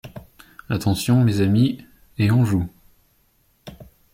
Attention, mes amis, et en joue !..